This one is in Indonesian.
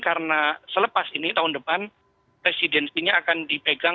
karena selepas ini tahun depan presideninya akan dipegang